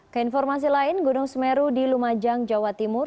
keinformasi lain gunung semeru di lumajang jawa timur